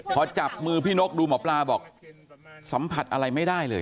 พอจับมือพี่นกดูหมอปลาบอกสัมผัสอะไรไม่ได้เลย